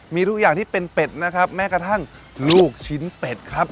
มีทุกอย่างที่เป็นเป็ดนะครับแม้กระทั่งลูกชิ้นเป็ดครับ